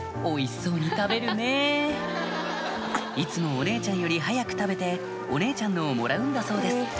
おいしそうに食べるねいつもお姉ちゃんより早く食べてお姉ちゃんのをもらうんだそうです